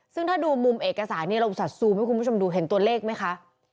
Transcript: ซึ่งถ้าดูมุมเอกสารนี้เราจัดซูมให้คุณผู้ชมดูเห็นตัวเลขไหมคะ